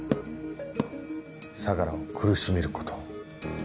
相良を苦しめること。